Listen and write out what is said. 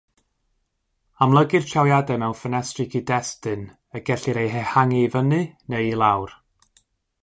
Amlygir trawiadau mewn ffenestri cyd-destun y gellir eu hehangu i fyny neu i lawr.